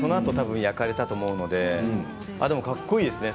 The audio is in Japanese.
そのあと焼かれたと思うのでかっこいいですね。